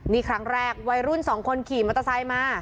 นี่ครั้งแรกวัยรุ่นสองคนขี่มอเตอร์ไซค์มา